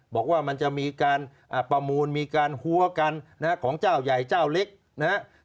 บอกว่ามันจะมีการประมูลมีการหัวกันของเจ้าใหญ่เจ้าเล็กนะครับ